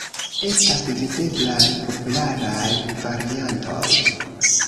Estas diversaj popularaj variantoj.